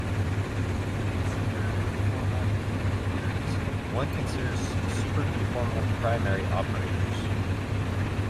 In superconformal field theories, one considers superconformal primary operators.